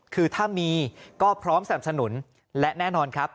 คือถ้ามีก็พร้อมสนับสนุนและแน่นอนครับ